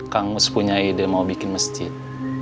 kang mus punya ide mau bikin masjid